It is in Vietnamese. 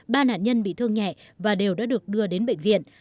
ba nạn nhân bị thương nhẹ và đều đã được đưa đến bệnh viện